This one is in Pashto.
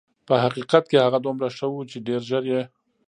په حقیقت کې هغه دومره ښه وه چې ډېر ژر یې.